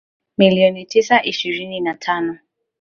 milioni tisa ishirini na tano